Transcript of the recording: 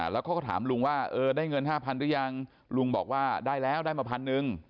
แล้วก็ถามลุงว่าได้เงิน๕๐๐๐บาทหรือยังลุงบอกว่าได้แล้วได้มา๑๐๐๐บาท